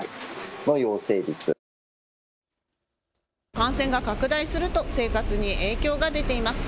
感染が拡大すると生活に影響が出ています。